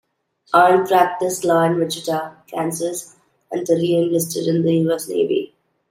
Arn practiced law in Wichita, Kansas until he enlisted in the U. S. Navy.